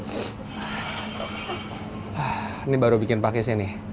nah ini baru bikin pakisnya nih